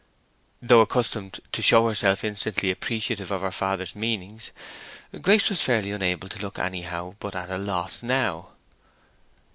Though accustomed to show herself instantly appreciative of her father's meanings, Grace was fairly unable to look anyhow but at a loss now.